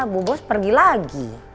bu bos pergi lagi